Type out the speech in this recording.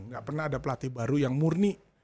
gak pernah ada pelatih baru yang murni